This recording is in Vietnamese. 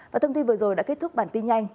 và thông tin vừa rồi đã kết thúc bản tin nhanh